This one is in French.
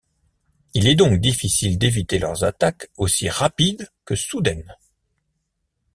Il est donc difficile d’éviter leurs attaques aussi rapides que soudaines.